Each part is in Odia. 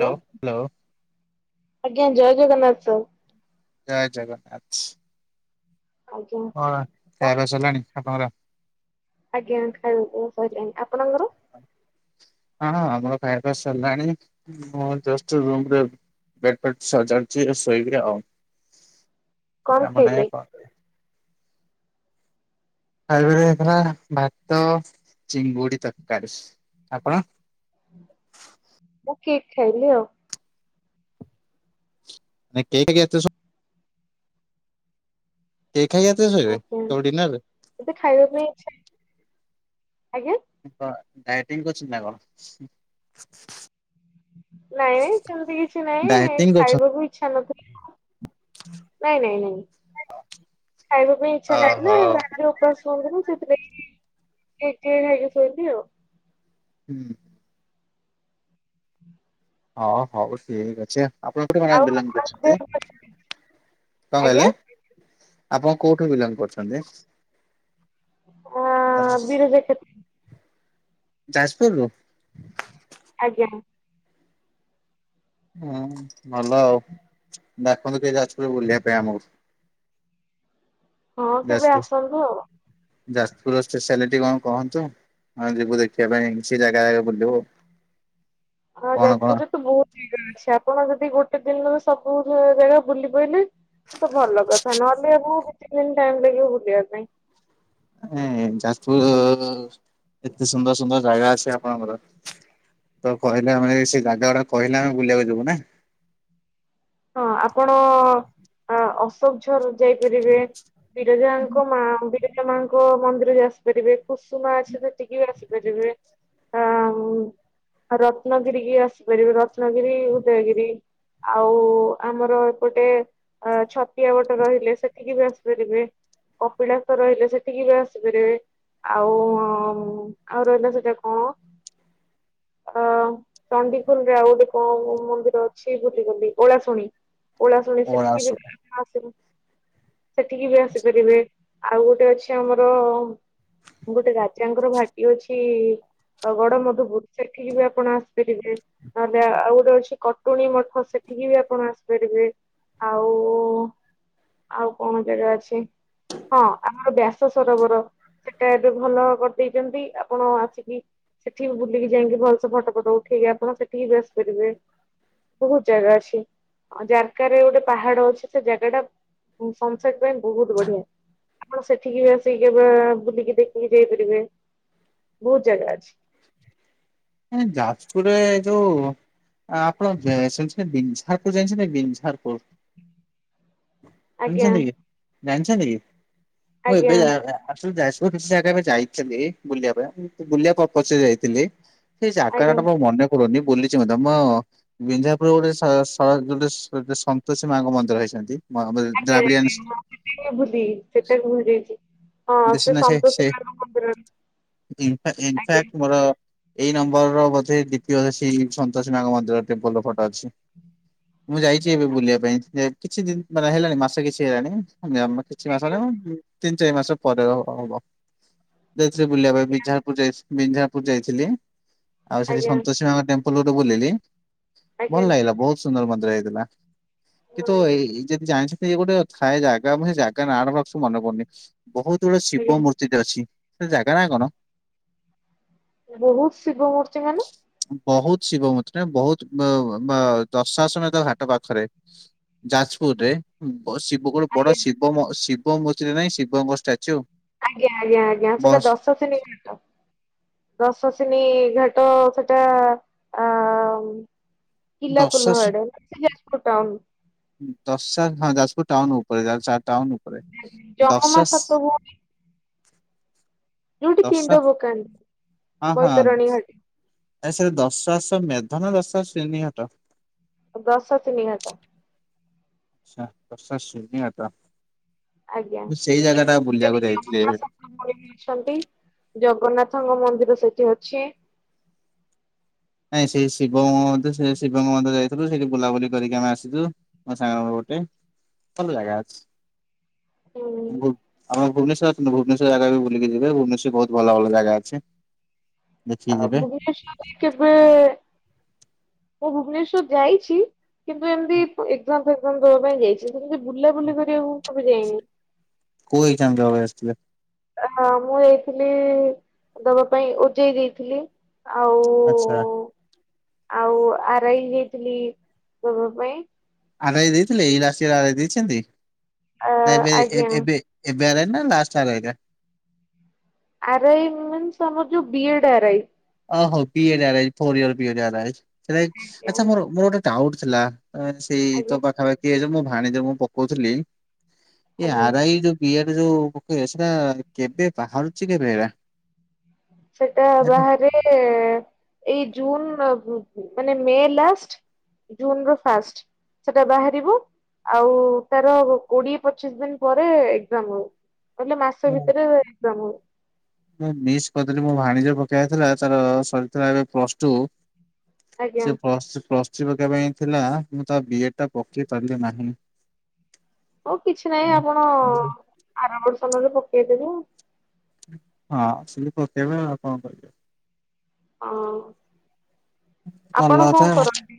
Hello hello. ଆଜ୍ଞା ଜୟ ଜଗନ୍ନାଥ ସାର। ଜୟ ଜଗନ୍ନାଥ। ଆଜ୍ଞା। ହଁ ହଁ ଖାଇବା ସରିଲାଣି ଆପଣଙ୍କର? ଆଜ୍ଞା ଖାଇବା ପିଇବା ସରିଲାଣି, ଆପଣଙ୍କର? ହଁ ହଁ ଆମର ଖାଇବା ପିଆ ସରଲାଣି। ମୁଁ ଜଷ୍ଟ ରୁମ ରେ ବେଡ଼୍ ଫେଟ ସଜାଡ଼ିଚି ଶୋଇବି ଆଉ। କଣ ଆମ ଖାଇଲେ? ନାୟକ ଖାଇବାରେ ହେଇଥିଲା ଭାତ ଚିଙ୍ଗୁଡି ତରକାରୀ। ଆପଣ? ମୁଁ କେକ୍ ଖାଇଲି ଆଉ। ନାଇ କେକ୍ ଏତେସ କେକ୍ ଖାଇ ରାତିରେ ଶୋଇବେ ତ ଡିିନର ରେ। ଏତେ ଖାଇବାପାଇଁ ଇଛା ଆଜ୍ଞା? କଣ ଡାଏଟିଂ କରିଛନ୍ତି ନା କଣ? ନାଇଁ ନାଇଁ ସେମିତି କିଛି ନାଇଁ ଡାଏଟିଂ କରୁଛନ୍ତି ଖାଇବାକୁ ଇଛା ନଥିଲା। ନାଇଁ ନାଇଁ ନାଇଁ ଖାଇବା ପାଇଁ ଇଛା ଓହୋ। ନଥିଲା ରାତିରେ ଉ ଉପାସ ହେଇଥିଲାନା ସେଥିପାଇଁ ତ ଖାଇନି ଆଉ। ହୁଁ। ହଁ ହଉ ଠିକ ଅଛି ଆଉ। ଆପଣ ଗଟେ ମେ ଆଉ ବିଲନ ଆପଣଙ୍କ ଦେହ କରଛନ୍ତି ଭଲ ଅଛି? କଣ ଆଜ୍ଞା କହିଲେ? ଆପଣ କୋଉଠୁ ବିଲଙ୍ଗ କରୁଛନ୍ତି? ଆ ବିରଜା କ୍ଷେତ୍ର ଯାଜପୁରରୁୁ? ଆଜ୍ଞା। ହୁଁ ଭଲ ଆଉ ଡାକନ୍ତୁ ଟିକେ ଯାଜପୁର ବୁଲିଆ ପାଇଁ ଆମକୁ। ହଁ କେବେ ଆସନ୍ତୁ ଆଉ। ଯାସ୍ପୁର୍ ଯାସ୍ ପୁର ର ଷ୍ଟେସାଲିଟି କଣ କହନ୍ତୁ। ଆମେ ଯିବୁ ଦେଖିଆ ପାଇଁ ସେ ଜାଗା ଆଡେ ବୁଲିବୁ ଆଉ। ହଁ ଯାଜପୁରରେ ତ ବହୁତ୍ ଜାଗା ଅଛି ଆପଣ ଯଦି ଗୋଟେ ଦିନରେ ସବୁ ଜାଗା ବୁଲି ପାଇଲେ ତ ଭଲ କଥା ନହେଲେ ଆପଣଙ୍କୁ କିଛି ଦିନି ଟାଇମ୍ ଲାଗିବ ବୁଲିଆ ପାଇଁ। ମାନେ ଯାଜ୍ପୁର ରେ ଏତେ ସୁନ୍ଦର ସୁନ୍ଦର ଜାଗା ଅଛି ଆପଣଙ୍କର। ତ କହିଲେ ମାନେ ସେ ଜାଗା ଗୁଡାକ କହିଲେ ଆମେ ବୁଲିଆକୁ ଯିବୁ ନା। ହଁ ଆପଣ ହଁ ଅପ୍ କେନ୍ଦୁଝର୍ ଯାଇପାରିବେ ବିରଜାଙ୍କ ମା ମନ୍ଦିର ମାଙ୍କ ମନ୍ଦିର ବି ଆସିପାରିବେ କୁସୁମା ଅଛି ସେଠିକି ବି ଆସିପାରିବେ। ହଁ ମୁଁ ରତ୍ନଗିରି କି ଆସିପାରିବେ ରତ୍ନଗିରି ଉଦୟଗିରି। ଆଉ ଆମର ଏପଟେ ଅ ଛତିଆ ଗୋଟେ ରହିଲେ ସେଠିକି ବି ଆସିପାରିବେ। କପିଳାସ ରହିଲେ ସେଠିକି ବି ଆସିପାରିବେ। ଆଉ ଆଉ ରହିଲା ସେଟା କଣ? ଅ ଚଣ୍ଡିଖୋଲ ରେ ଆଉ ଗୋଟେ କଣ ମନ୍ଦିର ଅଛି ଭୁଲିଗଲି ଓଳାଶ୍ ଶୁଣି ଓଳାଶୁଣି ସେଠିକି ବି ସମସ୍ତଙ୍କୁ ସେଠିକି ବି ଆସିପାରିବେ ଆଉ ଗୋଟେ ଅଛି ଆମର ଗୋଟେ ରାଜାଙ୍କର ଭାଟି ଅଛି। ଆଉ ଗଡ ମଧୁପୁର୍ ସେଠିକି ବି ଆପଣ ଆସିପାରିବେ। ନହେଲେ ଆଉ ଗୋଟେ ଅଛି କଟୁଣୀ ମଠ ସେଠିକି ବି ଆସ୍ ଆପଣ ଆସିପାରିବେ ଆଉ ଆଉ କଣ ଜାଗା ଅଛି। ହଁ ବ୍ୟାସ ସଦୋବର। ସେଟା ଏବେ ଭଲ କରିଦେଇଚନ୍ତି ଆପଣ ଆସିକି ସେଠି ବି ବୁଲିକି ଯାଇକି ବହୁତ୍ ଫଟ ଫଟ ଉଠେଇକି ଆପଣ ସେଠିକି ବି ଆସିପାରିବେ। ବହୁ ଜାଗା ଅଛି। ଜାଗାରେ ଗୋଟେ ପାହାଡ ଅଛି ସେ ଜାଗା ଟା ସଂନ୍ସେଟ୍ ପାଇଁ ବହୁତ୍ ବଢିଆ। ଆପଣ ସେଠିକି ବି ଆସିକି କେବେ ବୁଲିକି ଦେଖିକି ଯାଇପାରିବେ ବହୁତ୍ ଜାଗା ଅଛି। ଉଁ ଯାଜ୍ ପୁରରେ ଯୋଉ ଆପଣ [unintelligible] ସେଟା ବିଝାର୍ପୁର୍। ଆଜ୍ଞା ଶୁଣିଛନ୍ତି କି ଜାଣିଛନ୍ତି କି ମୁଁ ଆଜ୍ଞା ଏବେ ଯା ଆସେ ଯାଏ। ମୁଁ କିଛି ଜାଗା ଏବେ ଯାଇଥିଲି ବୁଲିଆ ପାଇଁ ବୁଲିଆ ପ୍ରପୋଚରେ ଯାଇଥିଲି। ସେ ଜାଗାର ଆଜ୍ଞା ଟା ମୋ ମନେ ପଡୁନି ବୁଲିଚି ମଧ୍ୟ ମୁ ବିଂଝାପୁର ରେ ଗୋଟେ ସ ଗୋଟେୋ ସନ୍ତୋଷୀ ମାଙ୍କ ମନ୍ଦିର ହେଇସନ୍ତି। ଆଜ୍ଞା ଆଞା। ସେ [inaudible] ସେଟାକୁ ଭୁଲି ଯାଇଚି। ବେସି ନାଇଁ ସେ ସେ ଇନ୍ ଇନ୍ ଆଜ୍ଞା ଫ୍ୟାକ୍ସ ମୋର- ଏଇ ନମ୍ବର ର ବୋଧେ [unintelligible] ସନ୍ତୋଷି ମାଙ୍କ ମନ୍ଦିର ରେ। ଏତେ ଭଲ ଫଟୋ ଅଛି ମୁଁ ଯାଇଚି ଏବେ ବୁଲିଆ ଆଚ୍ଛା, ପାଇଁ କିଛି ଦିନ୍ ମାନେ ହେଲାଣି ମାସେ କିଛି ହେଲାଣି ଆମ କିଛି ମାସ ଆଜ୍ଞା ହେଲାଣି ତିନି ଚାରି ମାସ ପରେ ହବ ଯାଇଥିଲି ବୁଲିଆ ପାଇଁ ବିଝାର୍ ପୁର୍ ବିଞ୍ଜା ର ପୁର ଯାଇଥିଲି। ଆଉ ସେଠି ଆଜ୍ଞା ସନ୍ତୋଷୀ ମାଙ୍କ ଟେମ୍ପୁଲ୍ ଗୋଟେ ବୁଲିଲି ଆଜ୍ଞା ଭଲ ଲାଗିଲା ବହୁତ ସୁନ୍ଦର ମନ୍ଦିର ହେଇଥିଲା। କିନ୍ତୁ ହଁ ଏଇ ଯଦି ଜାଣିଚନ୍ତି ଗୋଟେ ଥାଏ ଜାଗା ଏବଂ ଜାଗା ନା ଭଲ୍ସେ ମନେ ପଡୁନି। ବହୁତ ଗୁଡେ ଶିବ ଆଜ୍ଞା ମୂର୍ତ୍ତି ଟେ ଅଛି ସେ ଜାଗା ନାଁ କଣ? ବହୁତ୍ ଶିବ ମୂର୍ତ୍ତି ମାନେ ବହୁତ୍ ଶିବ ମୂର୍ତ୍ତି ବହୁତ ବ ବ ଦଶା ସମୟ ତା ଘାଟ ପାଖରେ। ଯାଜ୍ପୁର ରେ। ଉଁ ବଶ୍ ଶିବ କଣ ବଡ ଆଜ୍ଞା ଶିବ ମ ଶିବ ମୂର୍ତ୍ତିଟେ ନାହିଁ ଶିବଙ୍କ ଷ୍ଟ୍ୟାଚୁ। ଆଜ୍ଞା-ଆଜ୍ଞା-ଆଜ୍ଞା ସେଇଟା ଦଶସିନି ଘାଟ। ଦଶସିିନି-ଇ-ଇ ଘାଟ ସେଟା-ଆ-ଆ ଆଁ କିଲା ଦଶା ପୋଲ ଆଡେ ସେ ଯାଜପୁର ଟାଉନ। ଦଶା ଘା ହଁ ଯାଜପୁର ଟାଉନ ଉପରେ ଆଚ୍ଛା ଟାଉନ ଉପ୍ ଉପରେ, ଯମମା ଦଶାଶ୍ ସାତ ଭଉଣୀ ଯୋଉଠି ପିଣ୍ଡ ଦଶାଶ୍ ପକାନ୍ତି ହଁ -ହଁ। ବୈତରଣୀ ଘାଟି ଆ ସେ ଦଶାଶ୍ୱମେଧ ନା ଦଶାସିନି ଘାଟ? ଦଶାସିନି‌ ଘାଟ। ଆଚ୍ଛା ଦଶାସିନି ଘାଟ, ଆଜ୍ଞା। ମୁଁ ସେଇ ଜାଗାଟା ସେଠି ବୁଲିବାକୁ ଯାଇଥିଲି ଏବେ। [inaudible] ଅଛନ୍ତି ଜଗନ୍ନାଥଙ୍କ ମନ୍ଦିର ସେଠି ଅଛି। ନାଇଁ ସେ ଶିବଙ୍କ ମନ୍ଦିର ସେ ଶିବଙ୍କ ମନ୍ଦିର ଯାଇଥିଲୁ ସେଇଠି ବୁଲାବୁଲି କରିକି ଆମେ ଆସିଛୁ। ମୋ ସାଙ୍ଗ ଗୋଟେ, ଭଲ ଜାଗା ଅଛି ହୁଁ [unintelligible] ଆମର ଭୁବନେଶ୍ଵର ଆସନ୍ତୁ ଭୁବନେଶ୍ୱର ଜାଗା ବି ବୁଲିକି ଯିବେ, ଭୁବନେଶ୍ୱରରେ ବହୁତ ଭଲ ଭଲ ଜାଗା ଅଛି। ଦେଖିକି ଆ ଯିବେ ଭୁବନେଶ୍ୱରରେ କେବେ-ଏ-ଏ, ମୁଁ ଭୁବନେଶ୍ଵର ଯାଇଛି। କିନ୍ତୁ ଏମିତି ଏକ୍ଜାମ୍ ଫେକ୍ଜାମ୍ ଦେବା ପାଇଁ ଯାଇଛି, ଏମିତି ବୁଲାବୁଲି କରିବାକୁ କେବେ ଯାଇନି। କୋଉ ଏକ୍ଜାମ୍ ଦେବାକୁ ଆସିଥିଲେ? ଅ-ଅ-ଅ ମୁଁ ଯାଇଥିଲି-ଇ-ଇ ଦବା ପାଇଁ ଓଜେଇ ଦେଇଥିଲି ଆଉ ଆଚ୍ଛା। ଆଉ ଆରାଇ ଯାଇଥିଲି-ଇ-ଇ ଦବା ପାଇଁ। ଆରାଇ ଦେଇଥିଲେ ଏଇ ରାସିର ଆରାଇ ଦେଇଛନ୍ତି ଆ ନା ଏବେ ଆଜ୍ଞା ଏ-ଏବେ ଏବେ ଆରାଇ ନା ଲାଷ୍ଟ୍ ଆରାଇ ଟା? ଆରାଇ ମିନ୍ସ ଆମର ଯୋଉ ବିଏଡ୍ ଆରାଇ। ଓ ହୋ ପିଏଡ୍ ଆରାଇ‌ ଫୋର୍‌ ଇୟର୍ ବିଏଡ୍ ଆରାଇ, [unintelligible] ଆଜ୍ଞା ଆଛା ମୋର-ମୋର ଗୋଟେ ଡାଉଟ୍ ଥିଲା ସେଇ ତ ଆଜ୍ଞା ପାଖାପାଖି ଏ ଯୋଉ ମୋ ଭାଣେଜୀର ମୁଁ ପକଉଥିଲି ଏଇ ଆଜ୍ଞା। ଆରାଇ ଯୋଉ ବିଏଡ ଯୋଉ ପକେଇବେ ସେରା କେବେ ବାହାରୁଛି କେବେ ହେରା? ସେଟା ବାହାରେ ଏ-ଏ-ଏ ଏଇ ଜୁନ୍ ମାନେ ମେ ଲାଷ୍ଟ୍ ଜୁନର ଫାଷ୍ଟ ସେଟା ବାହାରିବ। ଆଉ-ଉ ତାର କୋଡିଏ ପଚିଶ ଦିନ ପରେ ଏକ୍ଜାମ ହେବ। ନହେଲେ ମାସେ ମୁଁ ଭିତରେ ଏକ୍ଜାମ୍ ହେବ। ମୁଁ ମିସ୍ କରିଦେଲି ମୋ ଭାଣିଜୀର ପକେଇବାର ଥିଲା ତାର ସରିଥିଲା ଏବେ ପ୍ଲସ ଟୁ। ଆଜ୍ଞା ସେ ପ୍ଲସ୍-ପ୍ଲସ୍ ଥ୍ରୀ ପକେଇବା ପାଇଁ ଥିଲା ମୁଁ ତା ବିଏଡଟା ପକେଇ ପାରିଲି ନାହିଁ। ହଉ କିଛି ନାହିଁ ଆପଣ-ଅ-ଅ ଆରବର୍ଷ ନହେଲେ ପକେଇ ଦେବେ ଆଉ। ହଁ ସେମିତି ପକେଇବି ଆଉ କଣ କରିବା। ହଁ ଭଲ ଆପଣ କଥା କଣ କରନ୍ତି?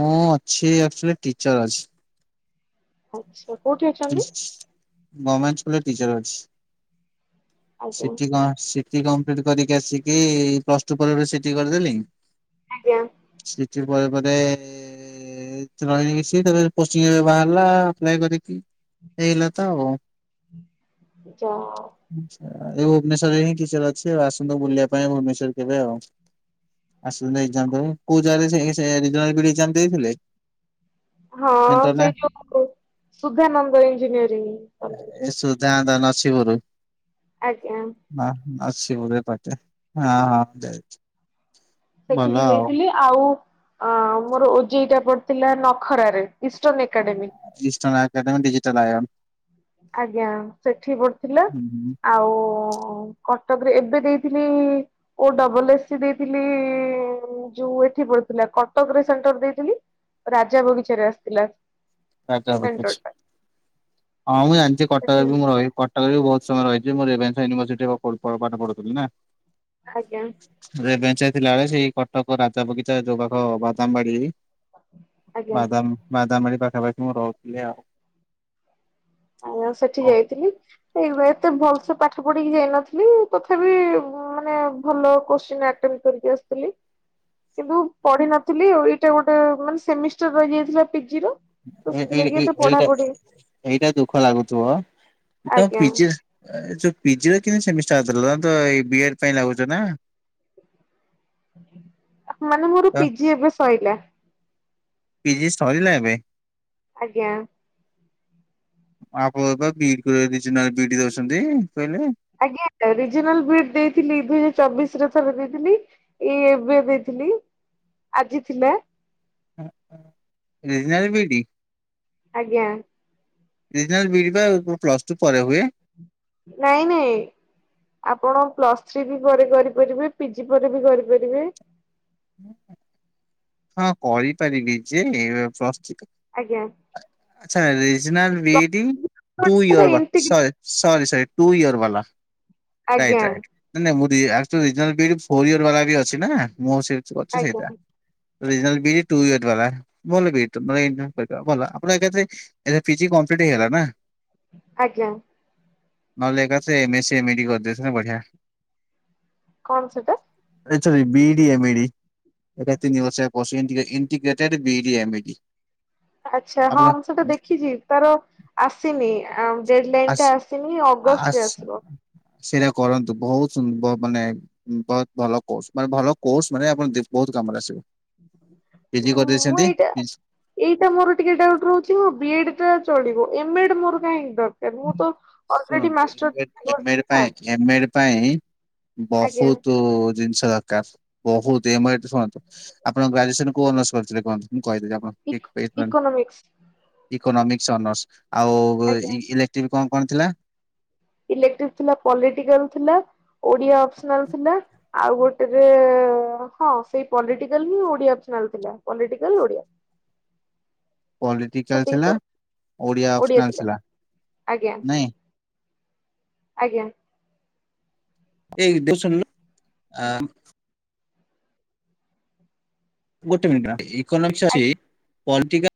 ମୁଁ ଅଛି ଆକ୍ଚୁଆଲି ଟିଚର୍ ଅଛି। ଆଚ୍ଛ୍ ହୁଁ ଗମେଣ୍ଟ ସ୍କୁଲରେ ଟିଚର୍ ଅଛି ଆଜ୍ଞା ସିଟି କମ୍ପ୍ ସି ଟି କମ୍ପ୍ଲିଟ କରିକି ଆସିକି-ଇ-ଇ ପ୍ଲସ ଟୁ ପରେ ସିଟି କରିଦେଲି। ଆଜ୍ଞା। ସିଟି ପରେ ପରେ ଏ-ଏ-ଏ [unintelligible] ତାପରେ ପୋଷ୍ଟିଙ୍ଗ୍ ବାହାରିଲା ଆପ୍ଲାଏ କରିକି ହେଇଗଲା ତ ଆଉ କଣ। ଯାଆ ଆଛା ଏ ଭୁବନେଶ୍ଵରେ ହିଁ ଟିଚର୍ ଅଛି ଆଉ ଆସନ୍ତୁ ବୁଲିବା ପାଇଁ ଭୁବନେଶ୍ଵର କେବେ ଆଉ। ଆସାନ୍ତ କୋଉ ଜାଗାରେ ଦେଇଥିଲେ [inaudible] ହଁ ସେଣ୍ଟର ନା ସେଇ ଯଉ ସୁଧାନନ୍ଦ ଇଞ୍ଜିନିୟରି। ଏୁ ଯାଦ ନଛିିବରୁ [unintelligible] ଆଜ୍ଞା। ହ ଆଛି ବେ ପାଟେ ହଁ ହଁ ଯାଇ [unintelligible] ଭଲ ସେଠିକି ଆଉ ଯାଇଥିଲି। ଆଉ ଆ ମୋର ଓଜେଇଟା ପଡିଥିଲା ନଖରାରେ ଇଷ୍ଟର୍ଣ୍ଣ ଏକାଡେମୀ। ଇଷ୍ଟର୍ଣ୍ଣ ଆକାଡେମୀ ଡିଜିଟାଲଆଇଆମ୍। ଆଜ୍ଞା ସେଠି ପଡଥିଲା ହୁଁ ହୁଁ। ଆଉ। କଟକରେ ଏବେ ଦେଇଥିଲି। ଓ ଡବଲ ଏସ୍ ସି ଦେଇଥିଲି ଯୋଉ ଏଠି ପଡଥିଲା କଟକରେ ସେଣ୍ଟର ଦେଇଥିଲି। ରାଜା ବଗିଚାରେ ଆସିଥିଲା। ରାଜା ସେଣ୍ଟର ବଗିଚା ଟା ହଁ ମୁଁ ଜାଣିଛି କଟକରେ ଆଜ୍ଞା ବି ମୁଁ ରହି କ। କଟକରେ ବି ବହୁତ୍ ସମୟ ରହିଛି ମୁଁ ରେଭେନ୍ସା ୟୁନିଭରସିଟି ରୁ ପଢୁ ପ ପାଠ ପଢୁଥିଲି ନା। ଆଜ୍ଞା। ରେଭେନ୍ସାରେ ଥିଲା ବେଳେ ସେଇ କଟକ ରାଜା ବଗିଚା ଯୋଉ ପାଖ ବାଦାମ ବାଡି। ଆଜ୍ଞା। ବାଦାମ-ବାଦାମା ବାଡି ପାଖାପାଖି ମୁଁ ରହୁଥିଲି ଆଉ। ଆଜ୍ଞ ସେଠି ଆଉ। ଯାଇଥିଲି ଏଇବା ଏତେ ଭଲସେ ପାଠ ପଢିକି ଯାଇନଥିଲି ତଥାପି। ଉମ ମାନେ ଭଲ କ୍ୱୋଶ୍ଚିନ୍ ଅଟେଣ୍ଡ କରିକି ଆସିଥିଲି। କିନ୍ତୁ ପଢିିନଥିଲି ଆଉଏଇଟା ଗୋଟେ ମାନେ ସେମିଷ୍ଟାର ରହିଯାଇଥିଲା ପିଜି ର। ଏ ତ ଏଇ ସେଥିଲାଗି ଏଇ ଏତେ ଏଇଟା ପଢା ପଢି। ଏଇଟା ଦୁଃଖ ଲାଗୁଥୁବ ତ ଆଜ୍ଞା ପିଜି ସ। ଏ ଯୋଉ ପିଜିରେକେମିତି ସେମିଷ୍ଟାର ଥିଲା ଏଇ ବିଆର ପାଇଁ ଲାଗୁଥିଲା ନା। ଆଜ୍ଞା। ମାନେ ମୋର ତ ପିଜି ଏବେ ସଇଲା। ପିଜି ସରିଲା ଏବେ। ଆଜ୍ଞା। ଆପଣ ବା [unintelligible] ବି ଇଡି ଦଉଛନ୍ତି କହିଲେ ଆଜ୍ଞା ରିଜିନାଲ ବି ଡ୍ ଦେଇଥିଲି ଦୁଇ ହଜାର ଚବିଶରେ ଥରେ ଦେଇଥିଲି। ଏଇ ଏବେ ଦେଇଥିଲି ଆଜି ଥିଲା। Regional B ED. ଆଜ୍ଞା। ରିଜନାଲ ବି ଇଡି ପା ପ୍ଲସ୍ ଟୁ ପରେ ହୁଏ। ନାଇଁ ନାଇଁ। ଆପଣ ପ୍ଲସ୍ ଥ୍ରୀ ବି ପରେ କରିପାରିବେ ପିଜି ପରେ ବି କରିପାରିବେ। ହଁ କରିପାରିବି ଯେ ପ୍ଲସ ଥ୍ରୀ। ଆଜ୍ଞା। ଆଚ୍ଛା regional B Ed two year ବା sorry. Sorry sorry two year ବାଲା ରାଇଟ୍ ଆଜ୍ଞା ରାଇଟ୍। ନାଇଁ ନାଇଁ regional B Ed four year ବାଲା ବି ଅଛି ନା ମୁଁ [unintelligible] ଆଜ୍ଞା ସେଇଟା regional B Ed two year ବାଲା ଭଲ ବି ଇଡ ଟା ଭଲ ଆପଣ ଏକାଥରେ। ଏବେ ପିଜି କମ୍ପ୍ଲିଟ୍ ହେଇଗଲା ନା। ଆଜ୍ଞା। ନହଲେ ଏଗାଥରେ M A C M A D କରିଦେଇଥିଲେ ବଢ଼ିଆ। କଣ ସେଟା? ଏଥେରେ B D M E D. ଏଟା ତିନି ବର୍ଷିଆ course. ଇଣ୍ଟିଗ୍ରେ integrated B E D M E D ଆଛା ହଁ ଆପଣ ମୁଁ ସେଟା ଦେଖିଛି। ତାର ଆସିନି ଆଁ ଡେଡ ଲାଇନ୍ ଟା ଆସ ଆସିନି, ଆସ ଅଗଷ୍ଟରେ ଆସିବ। ସେଇଟା କରନ୍ତୁ। ବହୁତ ସୁନ ବ ମାନେ ବହୁତ ଭଲ କୋର୍ସ ମାନେ ଭଲ କୋର୍ସ ମାନେ ଆପଣ ଦେ ବହୁତ କାମରେ ଆସିବ। ପିଜି ମୁଁ କରିଦେଇଛନ୍ତି? ଏଇଟା ପିଜ୍ ଏଇଟା ମୋର ଟିକେ ଡାଉଟ୍ ରହୁଛି। ମୋ ବି ଏଡ ଟା ଚଳିବ ଏମ ଏଡ ମୋର କାହିଁକ ଡର ଶୁଣନ୍ତୁ। ଏମ ଏଡ, ଏମ ଏଡ କରିଛି ନା ପାଇଁ, ଏମ ଏଡ ପାଇଁ ଆଜ୍ଞା ବହୁତୁ ଜିନିଷ ଦରକାର। ବହୁତ ଏମ ଏଡ ଶୁଣନ୍ତୁ। ଆପଣ ଗ୍ରାଜୁଏସନ କୋଉ ଅନର୍ସ କରିଥିଲେ କୁହନ୍ତୁ। ମୁଁ କହିଦେବି ଆପଣଙ୍କୁ। ଇକ big paper. Economics economics honours. ଆଜ୍ଞା ଷ୍ଟିମ୍‌ କଣ କଣ ଥିଲା? ଇଲେଟ୍ରିକ୍ ଥିଲା, ପଲିଟିକାଲ ଥିଲା। ଓଡିଆ ଅପସନାଲ ଥିଲା। ଆଉ ଗୋଟେରେ, ହଁ ସେଇ ପଲିଟିକାଲ ହିଁ ଓଡିଆ ଅପସନାଲ ଥିଲା। Political Odia optional. ପଲିଟିକାଲ ସେତିକି ଥିଲା, ତ ଓଡ଼ିଆ ଅପସନାଲ ଥିଲା ଆଜ୍ଞା ନାଇଁ? ଆଜ୍ଞା। ଏଇ ଟିକେ ଶୁଣଲୁ। ଆ ଗୋଟେ ମିନିଟ ରହ। ଇକୋନୋମିକ୍ସ ଅଛି। ପଲଟିକାଲ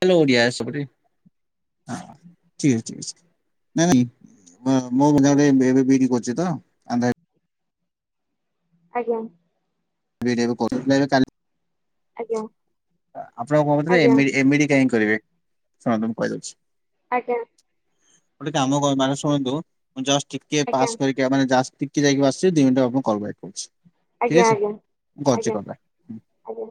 [unintelligible] ଓଡିଆ ସେପଟେ ଠିକ୍ ଅଛି, ଠିକ ଅଛି। ନାଇଁ, ମୋ ଜଣେ [inaudible] ବି ଏଡ କରୁଛି ତ ଆନ୍ଧ୍ରାରେ। ଆଜ୍ଞା। [inaudible] ଆଜ୍ଞା। ଆପଣ କଣ କହୁଥିଲେ? ଆଜ୍ଞା ଏମ ଇତି, ଏମ ଇତି କାହିଁ କରିବେ? ଶୁଣନ୍ତୁ ମୁଁ କହିଦଉଛି ଆଜ୍ଞା। ଗୋଟେ କାମ କରନ୍ତୁ ମାଡମ ଶୁଣନ୍ତୁ, ମୁ ଜଷ୍ଟ ଟିକେ ଆଜ୍ଞା ପାସ୍ କରିକି ଆ ମାନେ ଜଷ୍ଟ ଟିକେ ଯାଇକି ମୁଁ ଆସୁଛି। ଦୁଇିମିନିଟ ପରେ କଲ୍ ବ୍ୟାକ୍ କରୁଛି ଠିକ୍ ଆଜ୍ଞା ଆଜ୍ଞା ଅଛି। ଆଜ୍ଞା ମୁଁ କରୁଛି ଆଜ୍ଞା କଲ ବ୍ୟାକ। ଆଜ୍ଞା।